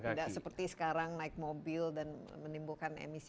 tidak seperti sekarang naik mobil dan menimbulkan emisi